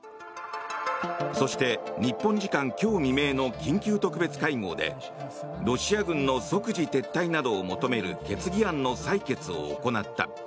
そして、日本時間今日未明の緊急特別会合でロシア軍の即時撤退などを求める決議案の採決を行った。